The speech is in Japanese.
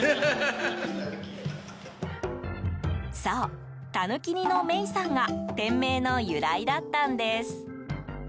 そう、タヌキ似のメイさんが店名の由来だったんです。